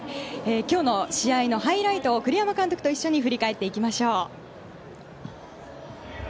今日の試合のハイライトを栗山監督と一緒に振り返っていきましょう。